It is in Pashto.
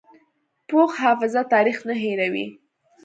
پوخ حافظه تاریخ نه هېروي